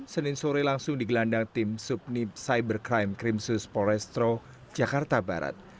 senin sore langsung digelandang tim subnip cybercrime crimsus polrestro jakarta barat